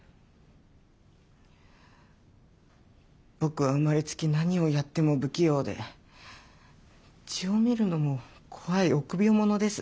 僕は生まれつき何をやっても不器用で血を見るのも怖い臆病者です。